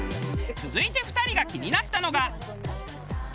続いて２人が気になったのが。